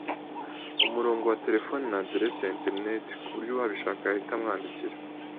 umurongo wa terefoni na aderesi ya interineti ku buryo uwabishaka yahita amwandikira